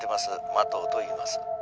麻藤といいます」